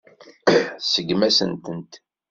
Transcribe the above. Tseggem-asent-tent.